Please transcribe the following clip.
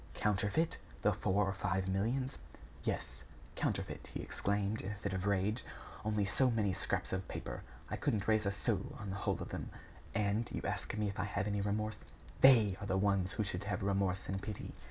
"Counterfeit! The four or five millions?" "Yes, counterfeit!" he exclaimed, in a fit of rage. "Only so many scraps of paper! I couldn't raise a sou on the whole of them! And you ask me if I have any remorse. They are the ones who should have remorse and pity.